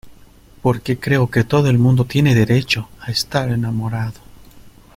porque creo que todo el mundo tiene derecho a estar enamorado.